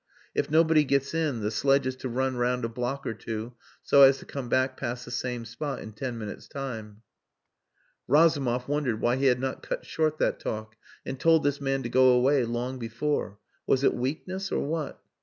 If nobody gets in, the sledge is to run round a block or two, so as to come back past the same spot in ten minutes' time.'" Razumov wondered why he had not cut short that talk and told this man to go away long before. Was it weakness or what?